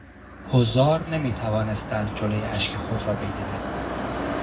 حضار نمیتوانستند جلوی اشک خود را بگیرند.